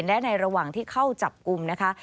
และในระหว่างที่เข้าจับกลุ่มนะคะ